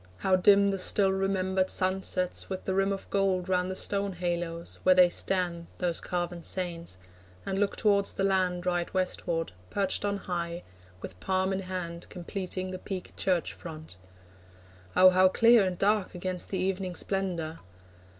How dim The still remembered sunsets, with the rim Of gold round the stone haloes, where they stand, Those carven saints, and look towards the land, Right Westward, perched on high, with palm in hand, Completing the peaked church front. Oh how clear And dark against the evening splendour!